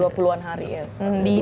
dua puluhan hari ya